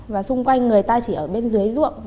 và xung quanh người ta chỉ ở bên dưới ruộng